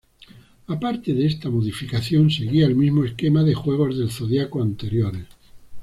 Aparte de esta modificación, seguía el mismo esquema de juegos del zodiaco anteriores.